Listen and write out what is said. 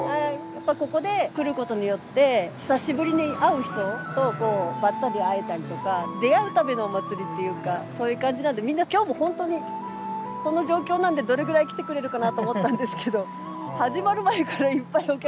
やっぱここで来ることによって久しぶりに会う人とばったり会えたりとか出会うためのお祭りっていうかそういう感じなんでみんな今日も本当にこの状況なんでどれぐらい来てくれるかなと思ったんですけど始まる前からいっぱいお客さん来ててすごいうれしいですね。